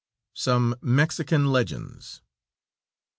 SOME MEXICAN LEGENDS.